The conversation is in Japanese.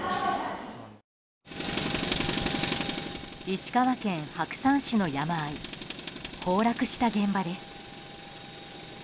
石川県白山市の山あい崩落した現場です。